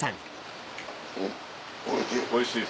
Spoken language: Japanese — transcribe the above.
おいしい。